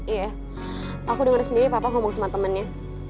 iya aku dengar sendiri papa ngomong sama temennya